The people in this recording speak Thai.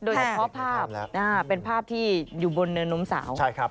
โดยเฉพาะภาพเป็นภาพที่อยู่บนเนินนมสาว